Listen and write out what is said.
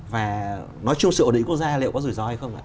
và nói chung sự ổn định quốc gia liệu có rủi ro hay không ạ